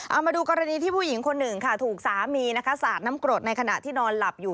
เอามาดูกรณีที่ผู้หญิงคนหนึ่งค่ะถูกสามีนะคะสาดน้ำกรดในขณะที่นอนหลับอยู่